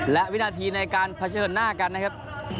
และวินาทีในการเผชิญหน้ากันนะครับ